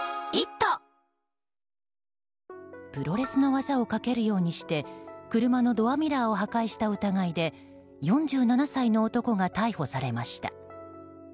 プロレスの技をかけるようにして車のドアミラーを破壊した疑いで４７歳の男が逮捕されました。